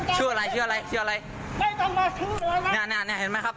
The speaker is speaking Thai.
ชื่ออะไรชื่ออะไรชื่ออะไรนี่นี่นี่เห็นไหมครับ